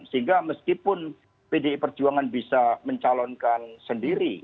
sehingga meskipun pdi perjuangan bisa mencalonkan sendiri